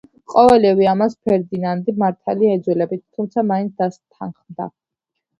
ყოველივე ამას ფერდინანდი მართალია იძულებით, თუმცა მაინც დასთანხმდა.